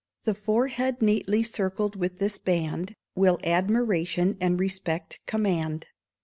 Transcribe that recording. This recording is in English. The forehead neatly circled with this band, Will admiration and respect command.